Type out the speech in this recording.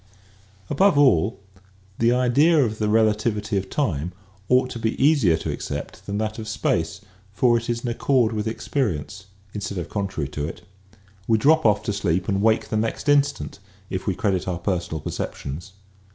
After all, the idea of the relativity of time ought to be easier to accept than that of space for it is in accord with experience instead of contrary to it. We drop off to sleep and wake the next instant if we credit our personal perceptions.